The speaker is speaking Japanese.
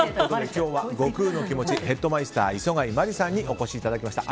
今日は悟空のきもちヘッドマイスター磯貝麻里さんにお越しいただきました。